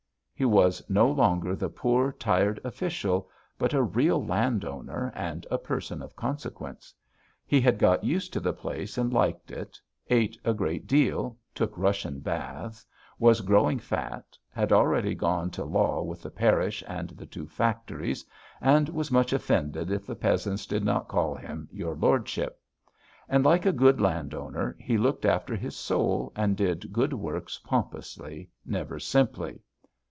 "He was no longer the poor, tired official, but a real landowner and a person of consequence. He had got used to the place and liked it, ate a great deal, took Russian baths, was growing fat, had already gone to law with the parish and the two factories, and was much offended if the peasants did not call him 'Your Lordship.' And, like a good landowner, he looked after his soul and did good works pompously, never simply.